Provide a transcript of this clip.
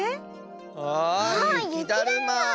あっゆきだるま！